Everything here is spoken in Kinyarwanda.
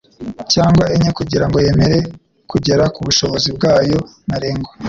cyangwa enye kugirango yemere kugera kubushobozi bwayo ntarengwa